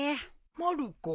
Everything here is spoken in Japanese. まる子。